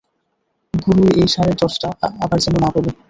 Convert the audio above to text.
গুরুই এই ষাঁড়ের দ্রষ্টা আবার যেন না বলে!